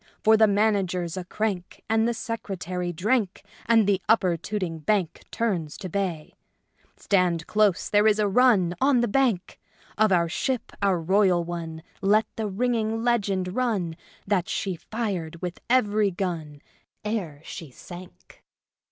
For the Manager's a crank and the Secretary drank, and the Upper Tooting Bank Turns to bay ! Stand close : there is a run On the Bank. Of our ship, our royal one, let the ringing legend run, that she fired with every gun Ere she sank."